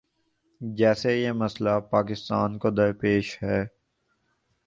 جیسے یہ مسئلہ پاکستان کو درپیش ہے۔